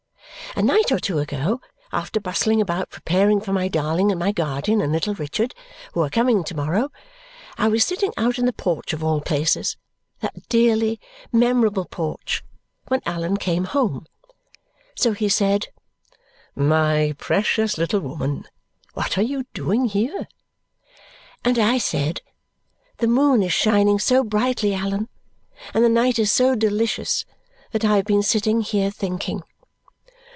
A night or two ago, after bustling about preparing for my darling and my guardian and little Richard, who are coming to morrow, I was sitting out in the porch of all places, that dearly memorable porch, when Allan came home. So he said, "My precious little woman, what are you doing here?" And I said, "The moon is shining so brightly, Allan, and the night is so delicious, that I have been sitting here thinking."